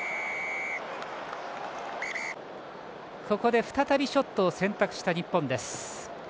ここで再びショットを選択した日本。